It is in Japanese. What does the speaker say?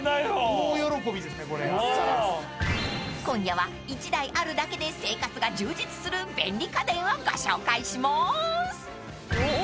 ［今夜は１台あるだけで生活が充実する便利家電をご紹介します！］